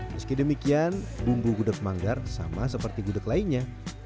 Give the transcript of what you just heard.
meski demikian bumbu gudeg manggar sama seperti gudeg lainnya